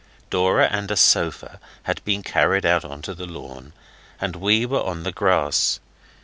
Dora and a sofa had been carried out on to the lawn, and we were on the grass.